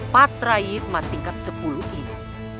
patra yidman tingkat sepuluh ini